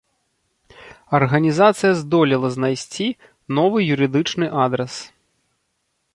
Арганізацыя здолела знайсці новы юрыдычны адрас.